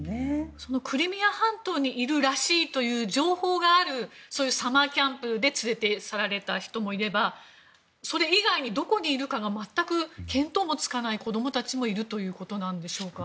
クリミア半島にいるらしいという情報があるサマーキャンプで連れ去られた人もいればそれ以外に、どこにいるか全く見当もつかない子供たちもいるということでしょうか？